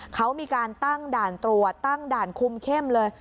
เขามีการตั้งด่านตรวจตั้งด่านคุมเข้มเลย